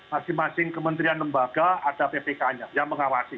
masing masing kementerian lembaga ada ppk nya yang mengawasi